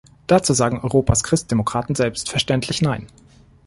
Dazu sagen Europas Christdemokraten selbstverständlich nein.